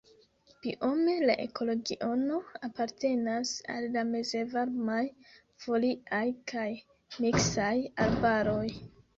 Biome la ekoregiono apartenas al la mezvarmaj foliaj kaj miksaj arbaroj.